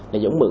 là dũng mượn